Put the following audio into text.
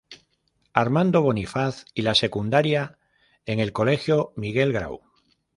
Armando Bonifaz y la secundaria en el Colegio Miguel Grau.